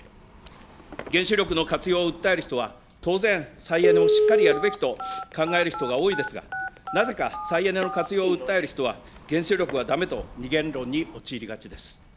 原子力の活用を訴える人は当然、再エネをしっかりやるべきと考える人が多いですが、なぜか再エネの活用を訴える人は原子力はだめと、二元論に陥りがちです。